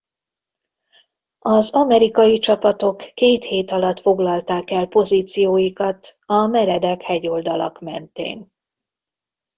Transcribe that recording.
Az amerikai csapatok két hét alatt foglalták el pozícióikat a meredek hegyoldalak mentén.